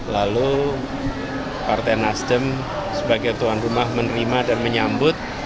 lalu partai nasdem sebagai tuan rumah menerima dan menyambut